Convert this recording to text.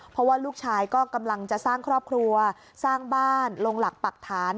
เพราะว่าลูกชายก็กำลังจะสร้างครอบครัวสร้างบ้านลงหลักปรักฐาน